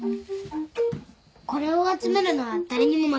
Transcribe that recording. これを集めるのは誰にも負けない。